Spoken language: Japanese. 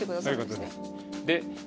そういうことです。